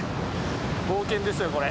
冒険ですよこれ。